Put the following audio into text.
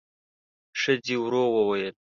ښځې ورو وويل: